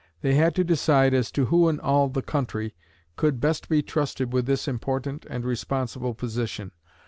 They had to decide as to who in all the country, could best be trusted with this important and responsible position.